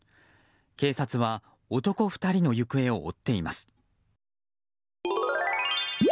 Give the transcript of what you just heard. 警察は男２人の行方を追っています。